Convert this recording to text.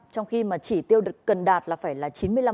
trong khi mà chỉ tiêu được cần đạt là phải là chín mươi năm